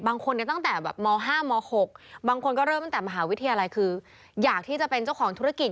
บางคนเนี่ยตั้งแต่แบบม๕ม๖บางคนก็เริ่มตั้งแต่มหาวิทยาลัยคืออยากที่จะเป็นเจ้าของธุรกิจ